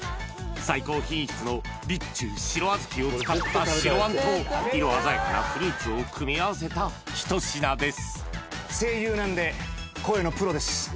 最高品質の備中白小豆を使った白あんと色鮮やかなフルーツを組み合わせた一品です